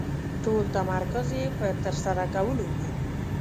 ټول تمرکز يې په ترسره کولو وي.